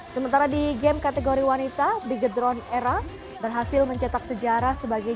sementara di game kategori wanita bigger drone era berhasil mencetak sejarah sebagai